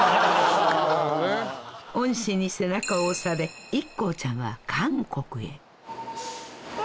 恩師に背中を押されＩＫＫＯちゃんは韓国へあ！